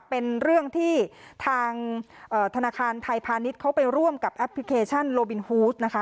เป็นเรื่องที่ทางธนาคารไทยพาณิชย์เขาไปร่วมกับแอปพลิเคชันโลบินฮูสนะคะ